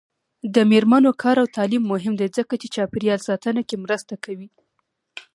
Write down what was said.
د میرمنو کار او تعلیم مهم دی ځکه چې چاپیریال ساتنه کې مرسته کوي.